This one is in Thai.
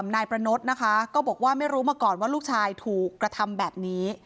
นายประนดนะคะก็บอกว่าไม่รู้มาก่อนว่าลูกชายถูกกระทำแบบนี้